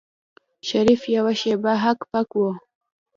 شريف يوه شېبه هک پک و.